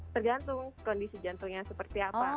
tergantung kondisi jantungnya seperti apa